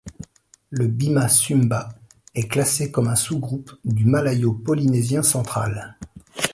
Le bima-sumba est classé comme un sous-groupe du malayo-polynésien central.